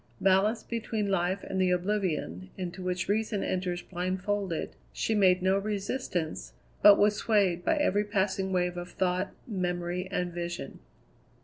Balanced between life and the oblivion, into which reason enters blindfolded, she made no resistance, but was swayed by every passing wave of thought, memory, and vision.